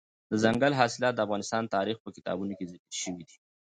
دځنګل حاصلات د افغان تاریخ په کتابونو کې ذکر شوي دي.